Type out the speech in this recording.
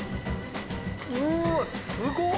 ・うわすごっ！